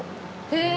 へえ。